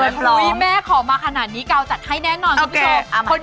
แม่ขอมาขนาดนี้กาวจัดให้แน่นอนคุณผู้ชม